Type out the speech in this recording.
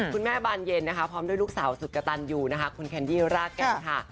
บานเย็นนะคะพร้อมด้วยลูกสาวสุดกระตันอยู่นะคะคุณแคนดี้รากแก่นค่ะ